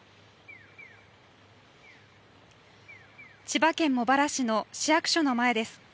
千葉県茂原市の市役所の前です。